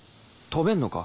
飛べんのか？